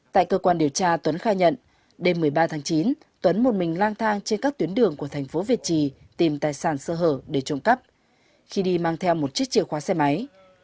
tại cơ quan điều tra tuấn khai nhận đêm một mươi ba tháng chín tuấn một mình lang thang trên các tuyến đường của thành phố việt trì tìm tài sản sơ hở để trộm cắp khi đi mang theo một chiếc chìa khóa xe máy